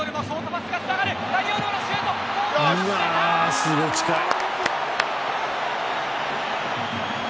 すごい近い。